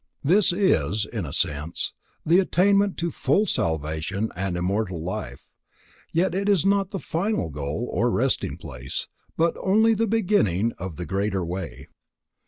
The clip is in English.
This is, in a sense, the attainment to full salvation and immortal life; yet it is not the final goal or resting place, but only the beginning of the greater way.